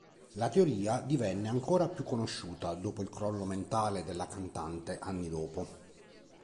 La teoria divenne ancora più conosciuta dopo il crollo mentale della cantante anni dopo.